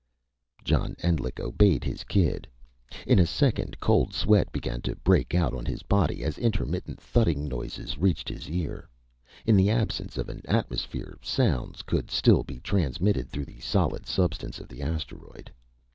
John Endlich obeyed his kid. In a second cold sweat began to break out on his body, as intermittent thudding noises reached his ear. In the absence of an atmosphere, sounds could still be transmitted through the solid substance of the asteroid.